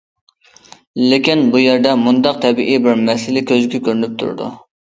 لېكىن بۇ يەردە مۇنداق تەبىئىي بىر مەسىلە كۆزگە كۆرۈنۈپ تۇرىدۇ.